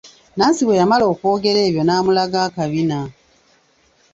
Nansi bwe yamala okwogera ebyo n'amulaga akabina.